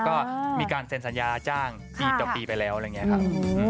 ก็มีการเซ็นสัญญาจ้างปีต่อปีไปแล้วอะไรอย่างนี้ครับ